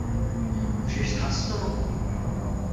Můžeš zhasnout?